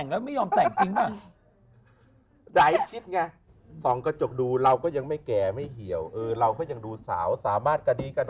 เดี๋ยวนะตานุกรุงภาษาชาพันธุปุฏตะปุฏตะปุฏตะเร็งลักษณ์